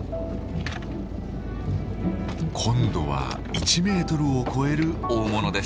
今度は１メートルを超える大物です。